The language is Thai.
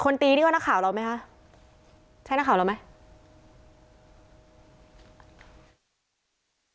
คนตีดีกว่าหน้าข่าวเราไหมคะ